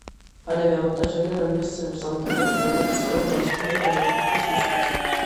ფანები ამონტაჟებენ ანიმე სცენებს სამონტაჟო პროგრამებით ისე, რომ გამოსახულება დაემთხვეს მუსიკას.